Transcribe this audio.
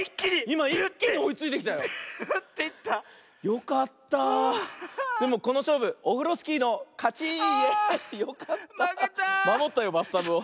まもったよバスタブを。